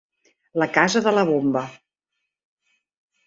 La Casa de la Bomba.